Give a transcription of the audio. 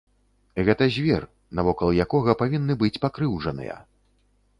Гэта звер, навокал якога павінны быць пакрыўджаныя.